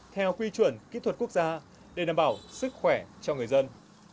theo quy chuẩn kỹ thuật quốc gia để đảm bảo sức khỏe cho người dân